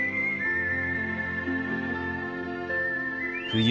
冬。